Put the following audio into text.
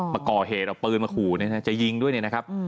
มาก่อเหตุเอาปืนมาขู่จะยิงด้วยเนี่ยนะครับ